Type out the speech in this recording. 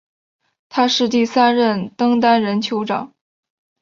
他是第三任登丹人酋长。